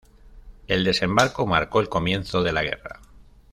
El desembarco marcó el comienzo de la guerra.